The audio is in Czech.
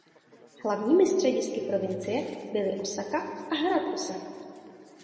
Hlavními středisky provincie byly Ósaka a hrad Ósaka.